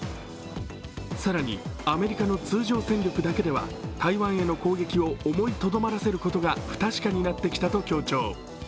更にアメリカの通常戦力だけでは台湾への攻撃を思いとどめることが不確かになってきたと強調。